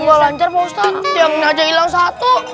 enggak lancar pak ustaz tiang ini aja hilang satu